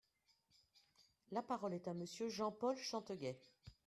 La parole est à Monsieur Jean-Paul Chanteguet.